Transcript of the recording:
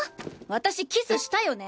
私キスしたよね！